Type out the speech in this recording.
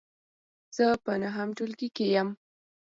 زه په نهم ټولګې کې یم .